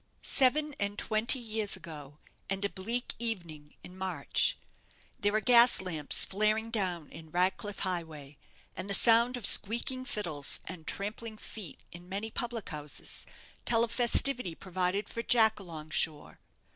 Seven and twenty years ago, and a bleak evening in March. There are gas lamps flaring down in Ratcliff Highway, and the sound of squeaking fiddles and trampling feet in many public houses tell of festivity provided for Jack along shore.